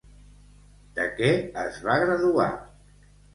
De què es va graduar?